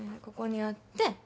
ここにあって。